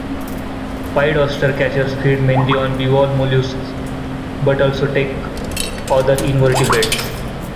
Pied oystercatchers feed mainly on bivalve molluscs, but also take other invertebrates.